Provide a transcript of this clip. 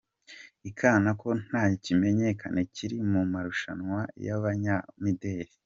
ihakana ko nta kimenyane kiri mu marushanwa y’abanyamideri